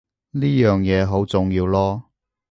呢樣嘢好重要囉